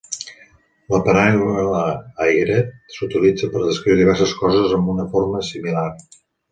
La paraula "aigrette" s'utilitza per descriure diverses coses amb una forma similar.